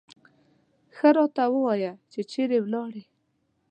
ښه راته ووایه چې چېرې ولاړې.